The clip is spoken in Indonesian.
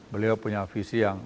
beliau punya visi yang